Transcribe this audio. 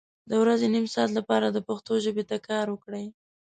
د ورځې نیم ساعت لپاره د پښتو ژبې ته کار وکړئ